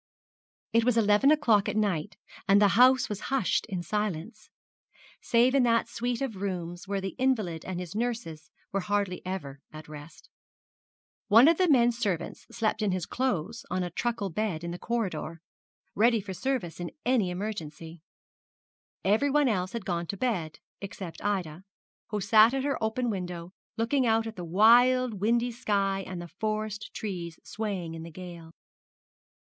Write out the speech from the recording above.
It was eleven o'clock at night, and the house was hushed in silence save in that suite of rooms where the invalid and his nurses were hardly ever at rest. One of the men servants slept in his clothes on a truckle bed in the corridor, ready for service in any emergency. Every one else had gone to bed, except Ida, who sat at her window, looking out at the wild windy sky and the forest trees swaying in the gale.